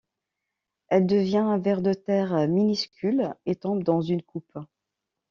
Elle devient un ver de terre minuscule et tombe dans une coupe.